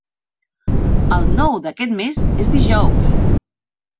El nou d'aquest mes és dijous.